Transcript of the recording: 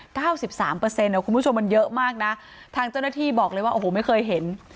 คุณผู้ชมมันเยอะมากนะทางเจ้าหน้าที่บอกเลยว่าโอ้โหไม่เคยเห็น